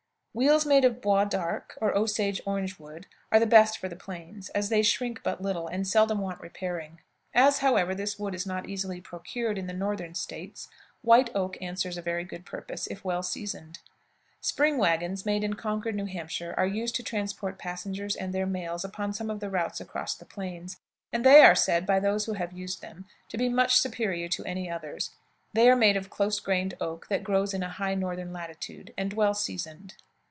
Wheels made of the bois d'arc, or Osage orange wood, are the best for the plains, as they shrink but little, and seldom want repairing. As, however, this wood is not easily procured in the Northern States, white oak answers a very good purpose if well seasoned. Spring wagons made in Concord, New Hampshire, are used to transport passengers and the mails upon some of the routes across the plains, and they are said, by those who have used them, to be much superior to any others. They are made of the close grained oak that grows in a high northern latitude, and well seasoned.